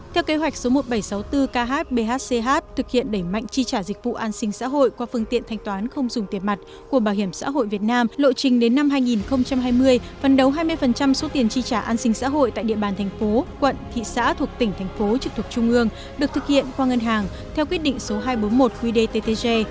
theo kế hoạch số một nghìn bảy trăm sáu mươi bốn khbhch thực hiện đẩy mạnh chi trả dịch vụ an sinh xã hội qua phương tiện thanh toán không dùng tiền mặt của bảo hiểm xã hội việt nam lộ trình đến năm hai nghìn hai mươi phần đấu hai mươi số tiền chi trả an sinh xã hội tại địa bàn thành phố quận thị xã thuộc tỉnh thành phố trực thuộc trung ương được thực hiện qua ngân hàng theo quyết định số hai trăm bốn mươi một qdttg